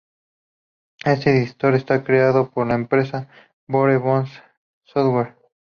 Este editor está creado por la empresa Bare Bones Software.